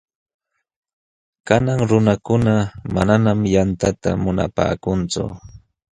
Kanan nunakuna manañam yantata munapaakunchu.